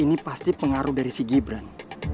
ini pasti pengaruh dari si gibran